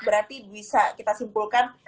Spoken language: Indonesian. berarti bisa kita simpulkan